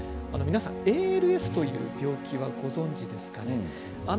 ＡＬＳという病気はご存じですか。